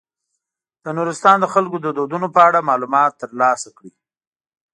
د نورستان د خلکو د دودونو په اړه معلومات تر لاسه کړئ.